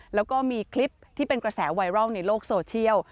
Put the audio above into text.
แล้วก็มีคลิปที่เป็นกระแสไวรัลในโลกโซเชียล